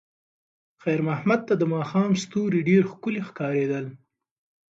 خیر محمد ته د ماښام ستوري ډېر ښکلي ښکارېدل.